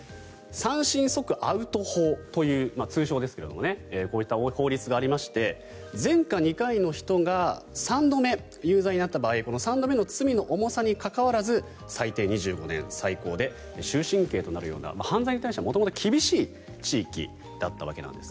三振即アウト法という通称ですがこういった法律がありまして前科２回の人が３度目、有罪になった場合３度目の罪の重さにかかわらず最低２５年最高で終身刑となるような犯罪に対しては元々、厳しい地域だったわけです。